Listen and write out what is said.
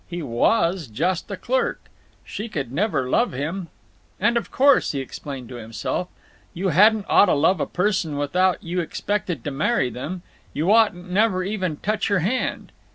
He was just a clerk. She could never love him. "And of course," he explained to himself, "you hadn't oughta love a person without you expected to marry them; you oughtn't never even touch her hand."